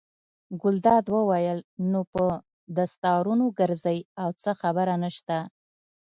ګلداد وویل: نو په دستارونو ګرځئ او څه خبره نشته.